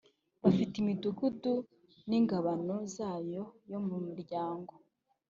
bafite imidugudu n ingabano zayo yo mu muryango